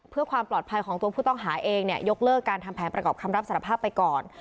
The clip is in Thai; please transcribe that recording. เพื่อความปลอดภัยของตัวผู้ต้องหาเองเนี่ยยกเลิกการทำแผนประกอบคำรับสารภาพไปก่อน